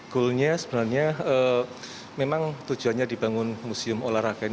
goalnya sebenarnya memang tujuannya dibangun museum olahraga ini